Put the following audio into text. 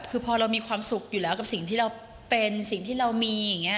คือพอเรามีความสุขอยู่แล้วกับสิ่งที่เราเป็นสิ่งที่เรามีอย่างนี้